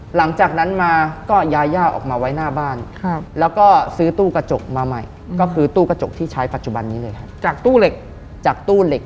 หลังจากนั้นมาก็ยาย่าออกมาไว้หน้าบ้านแล้วก็ซื้อตู้กระจกมาใหม่ก็คือตู้กระจกที่ใช้ปัจจุบันนี้เลยครับจากตู้เหล็กจากตู้เหล็ก